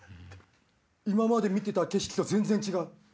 今まで見てた景色と全然違う。